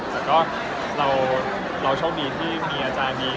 แต่ก็เราโชคดีที่มีอาจารย์มี